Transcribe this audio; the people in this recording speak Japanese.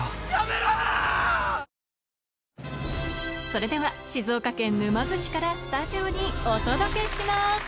それでは、静岡県沼津市からスタジオにお届けします。